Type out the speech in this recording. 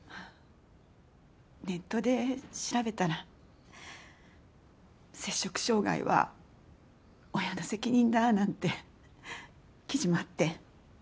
ネットで調べたら摂食障害は親の責任だなんて記事もあって。